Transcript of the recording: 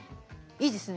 いいですね。